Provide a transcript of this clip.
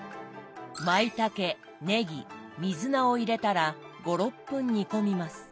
まいたけねぎ水菜を入れたら５６分煮込みます。